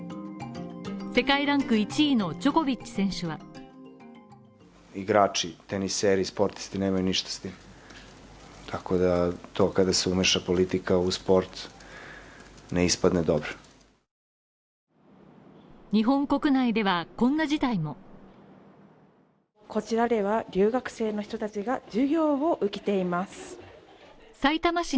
世界ランク１位のジョコビッチ選手は日本国内ではこんな事態もこちらでは留学生の人たちが授業を受けています。